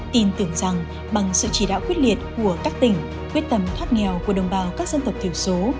tin tưởng rằng bằng sự chỉ đạo quyết liệt của các tỉnh quyết tâm thoát nghèo của đồng bào các dân tộc thiểu số